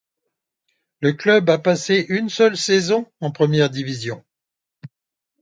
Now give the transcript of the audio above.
Le club a passé une seule saison en première division.